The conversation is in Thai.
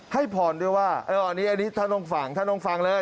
ให้ผ่อนด้วยว่าอันนี้ท่านลงฟังท่านลงฟังเลย